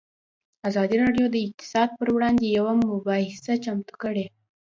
ازادي راډیو د اقتصاد پر وړاندې یوه مباحثه چمتو کړې.